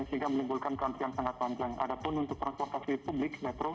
sehingga melimpulkan kanti yang sangat panjang padahal untuk transportasi publik metro